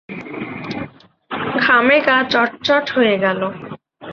ঘামে গা চটচটে হয়ে গেল।